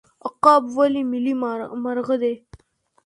عقاب ولې ملي مرغه دی؟